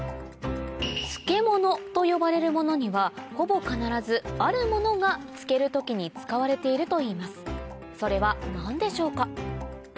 漬物と呼ばれるものにはほぼ必ずあるものが漬ける時に使われているといいますそれは何でしょうか？